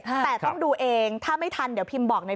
แต่ต้องดูเองถ้าไม่ทันเดี๋ยวพิมพ์บอกเลย